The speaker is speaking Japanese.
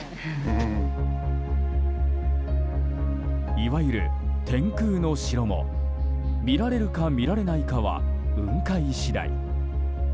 いわゆる天空の城も見られるか見られないかは雲海次第。